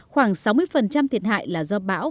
khoảng sáu mươi thiệt hại là do bạo lũ